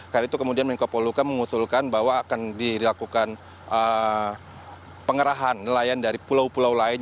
karena itu kemudian minkopo luka mengusulkan bahwa akan dilakukan pengerahan nelayan dari pulau pulau lain